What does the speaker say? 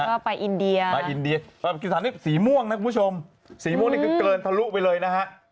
แล้วก็ไปอินเดียสีม่วงนะคุณผู้ชมสีม่วงนี่เกินทะลุไปเลยนะฮะ